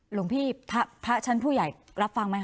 หลวงพี่พระชั้นผู้ใหญ่รับฟังไหมค